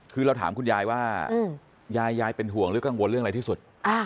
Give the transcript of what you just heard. คือเราถามคุณยายว่ายายยายเป็นห่วงหรือกังวลเรื่องอะไรที่สุด